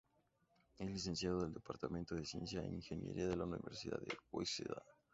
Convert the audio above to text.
Es licenciado del departamento de ciencia e ingeniería de la Universidad de Waseda.